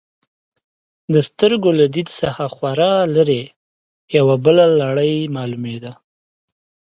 د سترګو له دید څخه خورا لرې، یوه بله لړۍ معلومېده.